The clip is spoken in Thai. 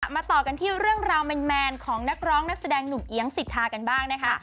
มาต่อกันที่เรื่องราวแมนของนักร้องนักแสดงหนุ่มเอี๊ยงสิทธากันบ้างนะคะ